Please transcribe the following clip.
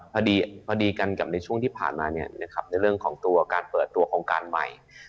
พอดีกันกับในช่วงที่ผ่านมาในเรื่องของตัวการเปิดตัวโครงการใหม่